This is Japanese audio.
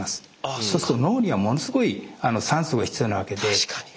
そうすると脳にはものすごい酸素が必要なわけで。